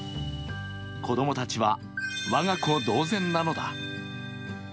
子供たちは我が子同然なのだ。